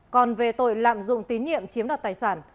còn về tội lạm dụng tín nhiệm chiếm đoạt tài sản